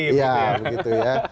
iya begitu ya